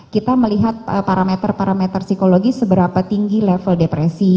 kita melihat parameter parameter psikologi seberapa tinggi level depresi